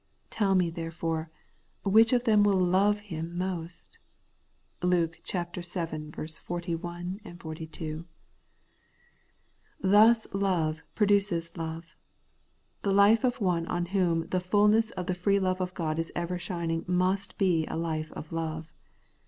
Tell me therefore, which of them will love him most ?* (Luke vii 41, 42.) Thus love produces love. The life of one on whom the fulness of the free love of God is ever shining must be a life of love.